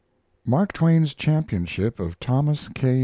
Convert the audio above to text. MARK TWAIN'S CHAMPIONSHIP OF THOMAS K.